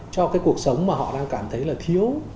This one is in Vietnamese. cho cái cuộc sống mà họ đang cảm thấy là thiếu